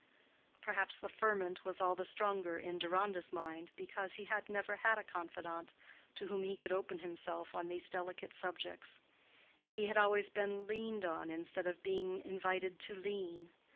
Perhaps the ferment was all the stronger in Deronda's mind because he had never had a confidant to whom he could open himself on these delicate subjects. He had always been leaned on instead of being invited to lean.